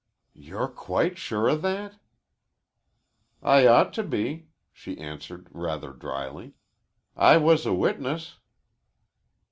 "You're quite sure of that?" "I ought to be," she answered rather dryly. "I was a witness."